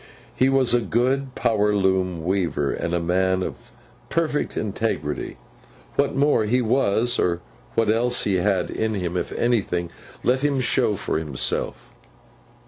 He was a good power loom weaver, and a man of perfect integrity. What more he was, or what else he had in him, if anything, let him show for himself.